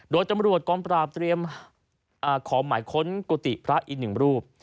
โดยตำรวจกองปราบเตรียมขอหมายค้นกุฏิพระอีกหนึ่งรูป